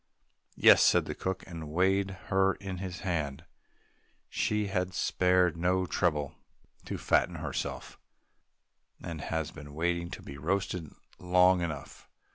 "Yes," said the cook, and weighed her in his hand; "she has spared no trouble to fatten herself, and has been waiting to be roasted long enough."